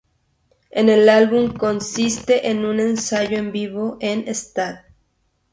El álbum consiste en un ensayo en vivo en St.